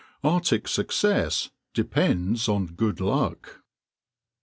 Arctic success depends on good luck.